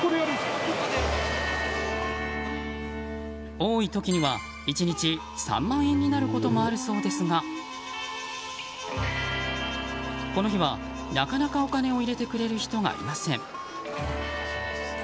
多い時には１日３万円になることもあるそうですがこの日は、なかなかお金を入れてくれる人がいません。